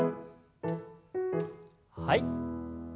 はい。